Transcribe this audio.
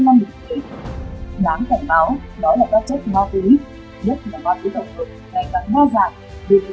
đáng cảnh báo đó là các chất ma túy